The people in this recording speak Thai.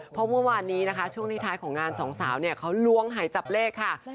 เพราะเมื่อวานนี้ช่วงที่ท้ายของงานสองสาวเขาล้วงหายจับเลขค่ะ